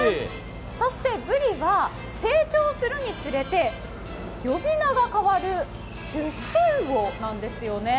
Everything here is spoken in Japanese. そしてブリは成長するにつれて呼び名が変わる出世魚なんですよね。